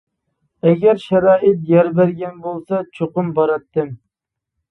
ئەگەر شارائىت يار بەرگەن بولسا چوقۇم باراتتىم.